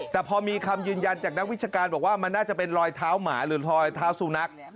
แต่พอมีคำยืนยันจากนักวิชาการบอกว่ามันน่าจะเป็นรอยเท้าหมาหรือรอยเท้าสุนัข